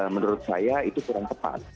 menurut saya itu kurang tepat